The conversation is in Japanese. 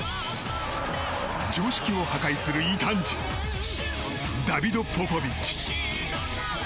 常識を破壊する異端児ダビド・ポポビッチ。